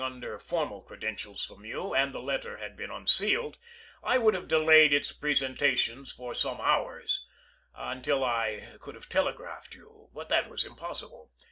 SOUTH CAROLINA SECESSION formal credentials from you, and the letter had been unsealed, I would have delayed its presentation for some hours, until I could have telegraphed you, but that was impossible.